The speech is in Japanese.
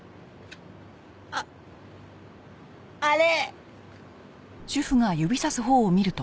あっあれ。